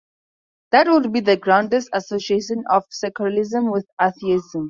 That would be the groundless association of secularism with atheism.